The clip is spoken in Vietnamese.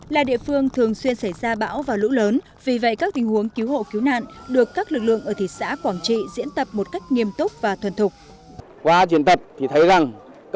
là địa phương thường xuyên xảy ra bão và lũ lớn vì vậy các tình huống cứu hộ cứu nạn được các lực lượng ở thị xã quảng trị diễn tập một cách nghiêm túc và thuần thục